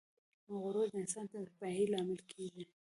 غرور د انسان د تباهۍ لامل کیږي.